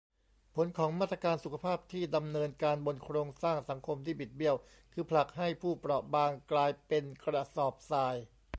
ผลของมาตรการสุขภาพที่ดำเนินการบนโครงสร้างสังคมที่บิดเบี้ยว คือผลักให้ผู้เปราะบางกลายเป็นกระสอบทราย